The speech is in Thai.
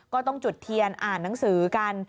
ก็ต้องจุดเทียนอ่านหนังสือกัน